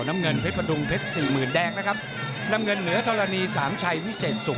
น้ำเงินเพชรประดุงเพชรสี่หมื่นแดงนะครับน้ำเงินเหนือธรณีสามชัยวิเศษสุข